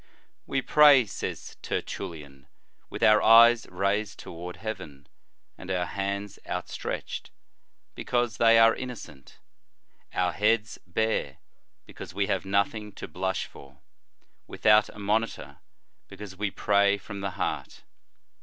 " We pray," says Tertullian, " with our eyes raised toward heaven, and our hands outstretched, because they are innocent ; our heads bare, because \ve have nothing to blush for ; without a monitor, because we pray from the heart.